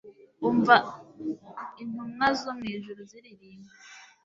umva intumwazo mwijuru ziririmba